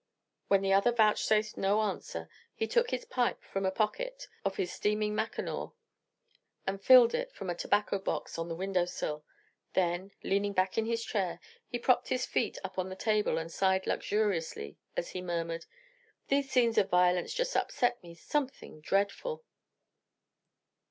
When the other vouchsafed no answer, he took his pipe from a pocket of his steaming mackinaw, and filled it from a tobacco box on the window sill; then, leaning back in his chair, he propped his feet up on the table and sighed luxuriously, as he murmured: "These scenes of violence just upset me something dreadful!"